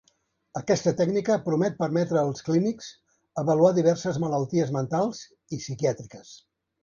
Aquesta tècnica promet permetre als clínics avaluar diverses malalties mentals i psiquiàtriques.